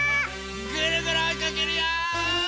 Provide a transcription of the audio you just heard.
ぐるぐるおいかけるよ！